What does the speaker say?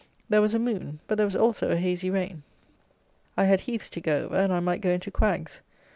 There was a moon; but there was also a hazy rain. I had heaths to go over, and I might go into quags.